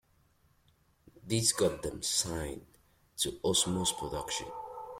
This got them signed to Osmose Productions.